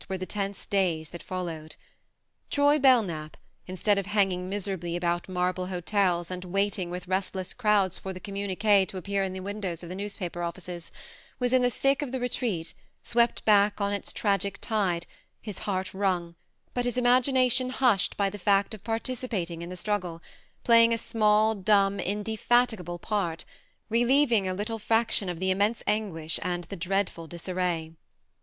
were the tense days that followed. Troy Belknap, instead of hanging miserably about marble hotels and waiting with restless crowds for the communiques to appear in the windows of the news paper offices, was in the thick of the retreat, swept back on its tragic tide, his heart wrung, but his imagination hushed by the fact of participating in the struggle, playing a small dumb inde fatigable part, relieving a little fraction of the immense anguish and the dread ful disarray.